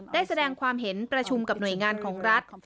ได้แสดงความเห็นประชุมกับหน่วยงานของรัฐ